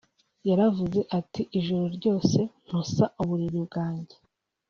yaravuze ati “ijoro ryose ntosa uburiri bwanjye